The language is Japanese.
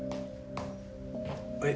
はい。